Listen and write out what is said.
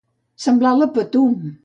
Semblar la patum.